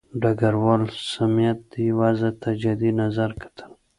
ډګروال سمیت دې وضع ته جدي نظر کتل.